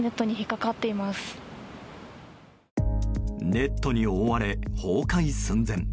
ネットに覆われ崩壊寸前。